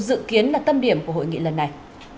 dự kiến là tâm điểm của hội nghị lần này